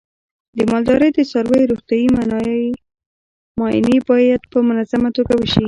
د مالدارۍ د څارویو روغتیايي معاینې باید په منظمه توګه وشي.